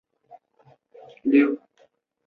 杂斑扁尾鲀为鲀科扁尾鲀属的鱼类。